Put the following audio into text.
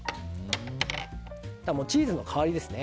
チーズの香りですね。